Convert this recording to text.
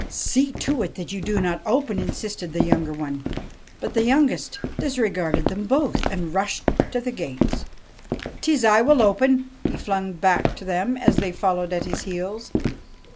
' See to it that you do not open !' insisted the younger one. But the youngest disregarded them both, and rushed to the gates. ' Tis I will open !' he flung back to them as they followed at his heels.